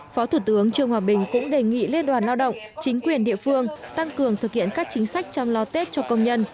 phó thủ tướng trương hòa bình cũng đề nghị liên đoàn lao động chính quyền địa phương tăng cường thực hiện các chính sách chăm lo tết cho công nhân